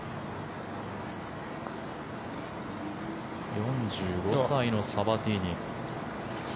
４５歳のサバティーニ。